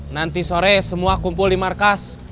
nanti sore semua kumpul di markas